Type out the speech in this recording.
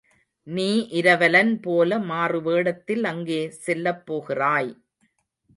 நீ இரவலன்போல மாறுவேடத்தில் அங்கே செல்லப் போகிறாய்!